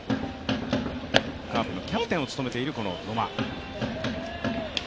カープのキャプテンを務めています野間。